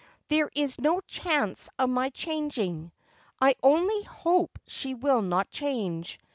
There is no chance of my changing. I only hope she will not change.